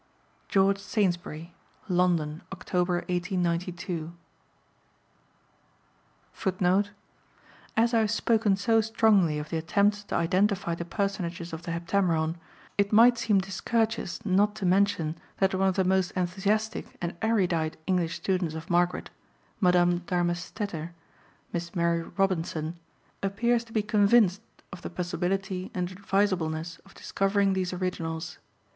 George Saintsbury.(1) London, October 1892. 1 As I have spoken so strongly of the attempts to identify the personages of the Heptameron, it might seem discourteous not to mention that one of the most enthusiastic and erudite English students of Margaret, Madame Darmesteter (Miss Mary Robinson), appears to be convinced of the possibility and advisableness of discovering these originals.